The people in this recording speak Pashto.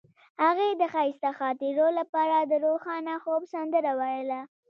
هغې د ښایسته خاطرو لپاره د روښانه خوب سندره ویله.